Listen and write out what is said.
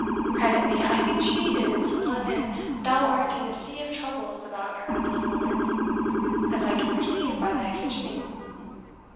"Credit me, I think she IS one and thou art in a sea of troubles about her at this moment, as I can perceive by thy fidgeting."